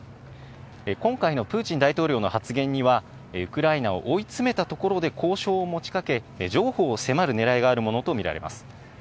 今回のプーチン大統領の発言には、ウクライナを追い詰めたところで交渉を持ちかけ、譲歩を迫るねらいがあるものと見られます。